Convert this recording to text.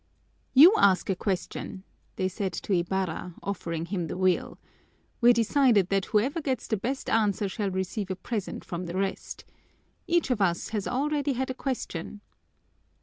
"You ask a question," they said to Ibarra, offering him the wheel. "We're decided that whoever gets the best answer shall receive a present from the rest. Each of us has already had a question."